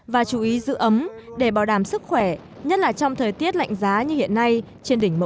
và chú ý giữ ấm để bảo đảm sức khỏe nhất là trong thời tiết lạnh giá như hiện nay trên đỉnh một